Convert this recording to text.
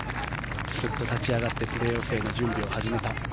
スッと立ち上がってプレーオフへの準備を始めた。